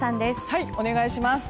はい、お願いします。